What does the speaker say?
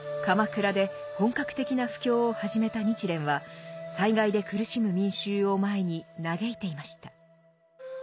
鎌倉で本格的な布教を始めた日蓮は災害で苦しむ民衆を前に嘆いていました。